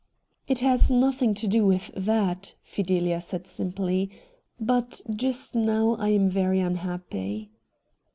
' It has nothing to do with that,' Fidelia said simply ;' but just now I am very unhappy.'